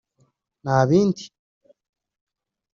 n’abindi)